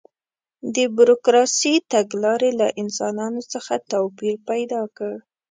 د بروکراسي تګلارې له انسانانو څخه توپیر پیدا کړ.